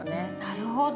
なるほど。